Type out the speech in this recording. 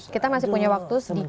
kita masih punya waktu sedikit